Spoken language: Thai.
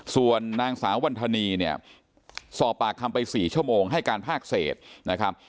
ส่วนนางสาววันธนีเนี่ยสอบปากคำไป๔ชั่วโมงให้การภาคเศษนะครับ